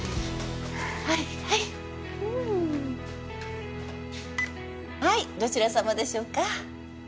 はいはいはいどちら様でしょうか？